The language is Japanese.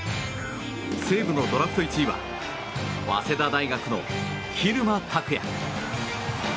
西武のドラフト１位は早稲田大学の蛭間拓哉。